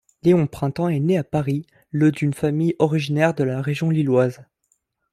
Léon Printemps est né à Paris le d’une famille originaire de la région Lilloise.